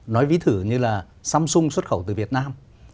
nói ví thử như là samsung xuất khẩu từ việt nam